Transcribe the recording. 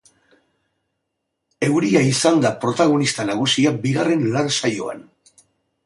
Euria izan da protagonista nagusia bigarren lan-saioan.